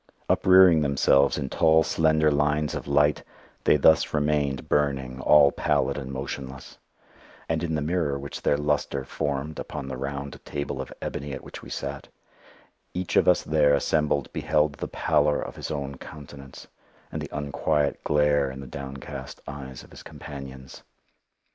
Uprearing themselves in tall slender lines of light, they thus remained burning all pallid and motionless; and in the mirror which their lustre formed upon the round table of ebony at which we sat each of us there assembled beheld the pallor of his own countenance, and the unquiet glare in the downcast eyes of his companions.